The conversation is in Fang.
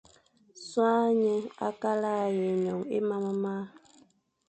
A soghé nye akal a yi non é mam mia,